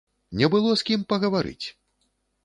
Не было з кім пагаварыць!